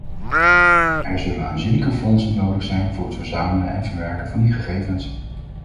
Er zullen aanzienlijke fondsen nodig zijn voor het verzamelen en verwerken van die gegevens.